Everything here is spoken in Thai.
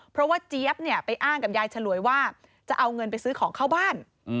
เพราะว่าเจี๊ยบเนี่ยไปอ้างกับยายฉลวยว่าจะเอาเงินไปซื้อของเข้าบ้าน